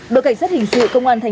đội cảnh sát hình sự công an tp hcm